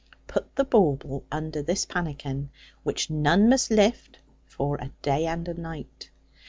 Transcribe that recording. Put the bauble under this pannikin; which none must lift for a day and a night.